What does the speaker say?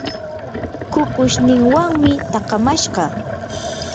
kukushninwanmi taakamashqa.